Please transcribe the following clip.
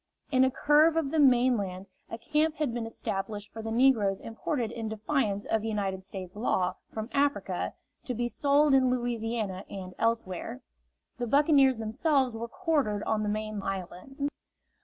In a curve of the mainland a camp had been established for the negroes imported in defiance of United States law, from Africa, to be sold in Louisiana and elsewhere. The buccaneers themselves were quartered on the main island.